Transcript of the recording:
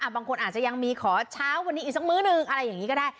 บางคนอาจจะยังมีขอเช้าวันนี้อีกสักมื้อหนึ่งอะไรอย่างนี้ก็ได้